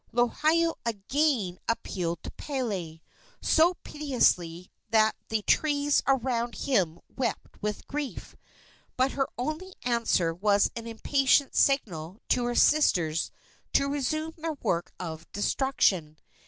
Lohiau again appealed to Pele, so piteously that the trees around him wept with grief; but her only answer was an impatient signal to her sisters to resume their work of destruction.